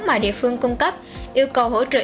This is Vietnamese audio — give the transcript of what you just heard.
mà địa phương cung cấp yêu cầu hỗ trợ